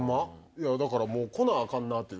いやだからもう来なアカンなっていう。